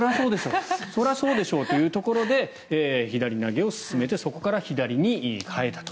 そりゃそうでしょうというところで左投げを勧めてそこから左に変えたと。